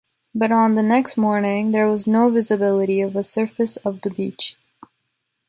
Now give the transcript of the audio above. but on the next morning, there was no visibility of a surface of the beach